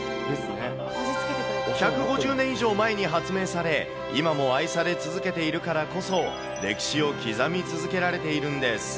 １５０年以上前に発明され、今も愛され続けているからこそ、歴史を刻み続けられているんです。